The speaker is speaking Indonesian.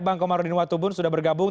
bang komarudin watubun sudah bergabung